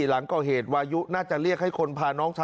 หลังก่อเหตุวายุน่าจะเรียกให้คนพาน้องชาย